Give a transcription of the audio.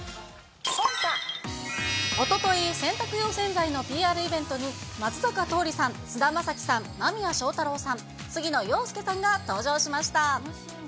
おととい、洗濯用洗剤のＰＲイベントに、松坂桃李さん、菅田将暉さん、間宮祥太朗さん、杉野遥亮さんが登場しました。